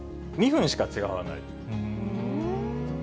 ２分しか違わない。